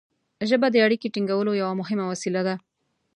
ژبه د اړیکې ټینګولو یوه مهمه وسیله ده.